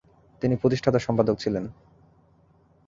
তিনি প্রতিষ্ঠাতা সম্পাদক ছিলেন।